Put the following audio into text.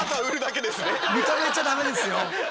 認めちゃダメですよ。